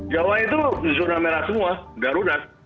jawa itu zona merah semua darurat